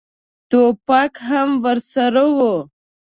ټوپک هم ورسره و.